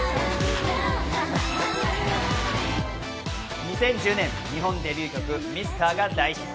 ２０１０年、日本デビュー曲『ミスター』が大ヒット。